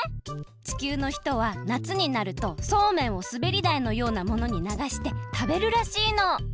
地球のひとはなつになるとそうめんをすべりだいのようなものにながしてたべるらしいの。